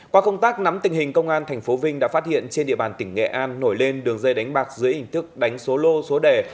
qua công tác nắm tình hình công an tp vinh đã phát hiện trên địa bàn tỉnh nghệ an nổi lên đường dây đánh bạc dưới hình thức đánh số lô số đề